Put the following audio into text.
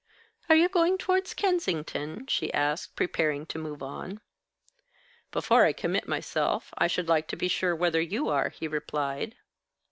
"Are you going towards Kensington?" she asked, preparing to move on. "Before I commit myself, I should like to be sure whether you are," he replied.